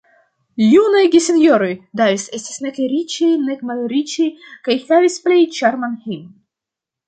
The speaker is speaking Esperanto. Junaj gesinjoroj Davis estis nek riĉaj, nek malriĉaj, kaj havis plej ĉarman hejmon.